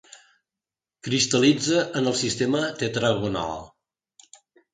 Cristal·litza en el sistema tetragonal.